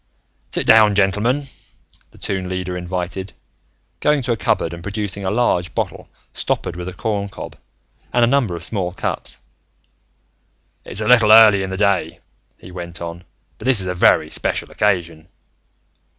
"Sit down, gentlemen," the Toon Leader invited, going to a cupboard and producing a large bottle stoppered with a corncob and a number of small cups. "It's a little early in the day," he went on, "but this is a very special occasion.